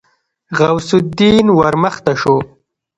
غوث الدين ورمخته شو.